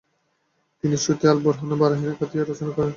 তিনি সতি আল বুরহান এবং বারাহিনে কাতিয়াহ রচনা করেন।